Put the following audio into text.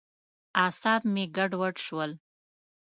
اعصاب مې ګډوډ شول.